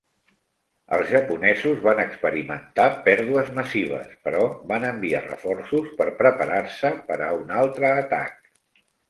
Els japonesos van experimentar pèrdues massives, però van enviar reforços per preparar-se per a un altre atac.